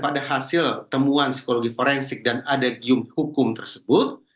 kalau ada hasil temuan psikologi forensik dan ada giung hukum tersebut